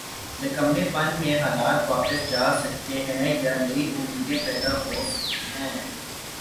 نکمّے پن میں حالات واپس جا سکتے ہیں یا نئی امیدیں پیدا ہو سکتی ہیں۔